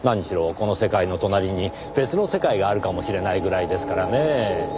この世界の隣に別の世界があるかもしれないぐらいですからねぇ。